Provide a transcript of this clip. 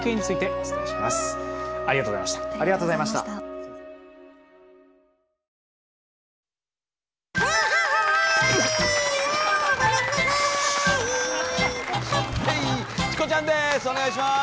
お願いします。